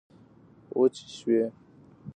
وچي شوې